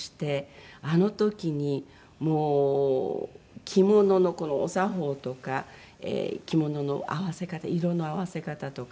あの時に着物のお作法とか着物の合わせ方色の合わせ方とか。